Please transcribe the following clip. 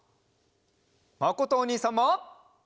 まことおにいさんも！